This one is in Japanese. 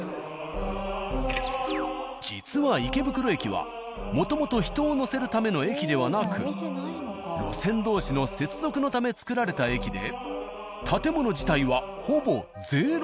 実は池袋駅はもともと人を乗せるための駅ではなく路線同士の接続のため作られた駅で建物自体はほぼゼロ。